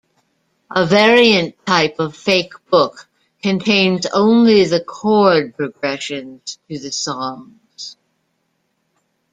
A variant type of fake book contains only the chord progressions to the songs.